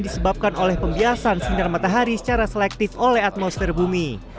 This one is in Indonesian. disebabkan oleh pembiasan sinar matahari secara selektif oleh atmosfer bumi